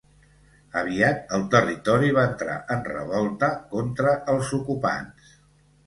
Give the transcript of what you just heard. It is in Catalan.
Aviat el territori va entrar en revolta contra els ocupants.